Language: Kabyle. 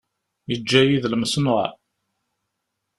Iǧǧa-yi d lmeṣnuɛ.